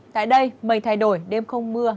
tại đây mây thay đổi đêm không mưa